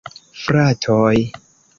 Fratoj!